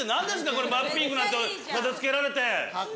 これ真っピンクになって片付けられて。